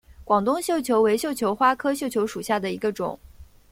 广东绣球为绣球花科绣球属下的一个种。